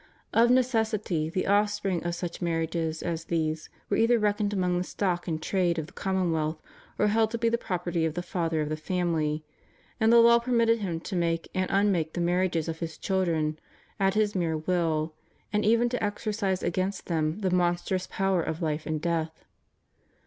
Of necessity the offspring of such marriages as these were either reckoned among the stock' in trade of the commonwealth or held to be the property of the father of the family;' and the law permitted him to make and unmake the marriages of his children at his mere will, and even to exercise against them the monstrous power of life and death.